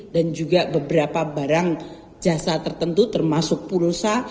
dan juga beberapa barang jasa tertentu termasuk pulsa